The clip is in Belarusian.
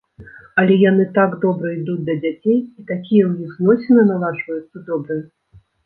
Але яны так добра ідуць да дзяцей, і такія ў іх зносіны наладжваюцца добрыя.